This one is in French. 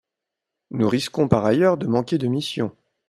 Nous risquons par ailleurs de manquer de missions.